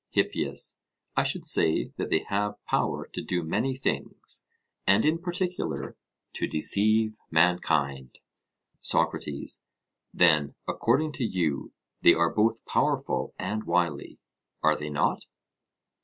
HIPPIAS: I should say that they have power to do many things, and in particular to deceive mankind. SOCRATES: Then, according to you, they are both powerful and wily, are they not?